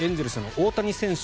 大谷選手